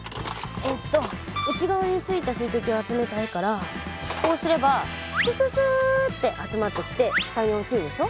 えっと内側についた水滴を集めたいからこうすればツツツって集まってきて下に落ちるでしょ。